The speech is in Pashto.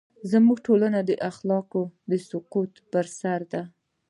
زموږ ټولنه د اخلاقو د سقوط پر سر ده.